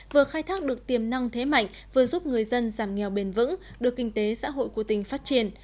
vừa khai thác được tiềm năng thế mạnh vừa giúp người dân giảm nghèo bền vững đưa kinh tế xã hội của tỉnh phát triển